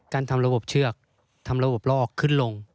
การทำระบบเชือกลอกขึ้นลง